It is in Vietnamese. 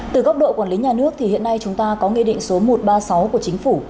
từ góc độ quản lý nhà nước thì hiện nay chúng ta có nghị định số một trăm ba mươi sáu của chính phủ